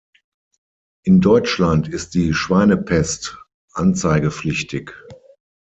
In Deutschland ist die Schweinepest anzeigepflichtig.